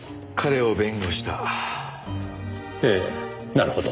なるほど。